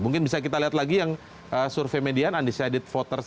mungkin bisa kita lihat lagi yang survei median undecided voters